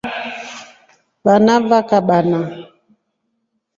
Vana va kabana.